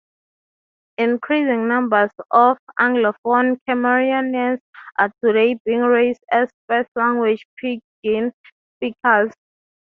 Increasing numbers of Anglophone Cameroonians are today being raised as first-language Pidgin speakers.